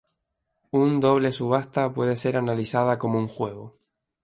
Un doble subasta puede ser analizada como un juego.